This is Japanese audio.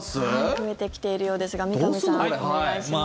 増えてきているようですが三上さん、お願いします。